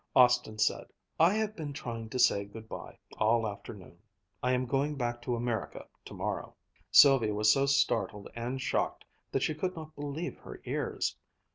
Austin said: "I have been trying to say good bye all afternoon. I am going back to America tomorrow." Sylvia was so startled and shocked that she could not believe her ears.